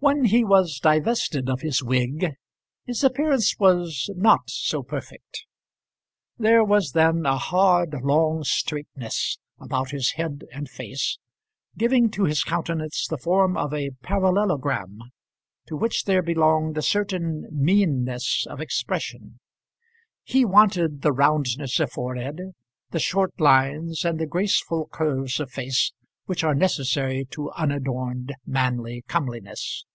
When he was divested of his wig his appearance was not so perfect. There was then a hard, long straightness about his head and face, giving to his countenance the form of a parallelogram, to which there belonged a certain meanness of expression. He wanted the roundness of forehead, the short lines, and the graceful curves of face which are necessary to unadorned manly comeliness.